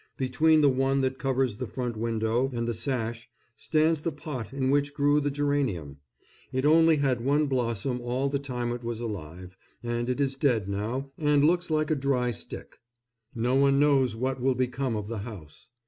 Between the one that covers the front window and the sash stands the pot in which grew the geranium. It only had one blossom all the time it was alive, and it is dead now and looks like a dry stick. No one knows what will become of the house.